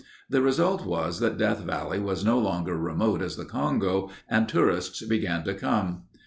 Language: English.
The result was that Death Valley was no longer remote as the Congo and tourists began to come.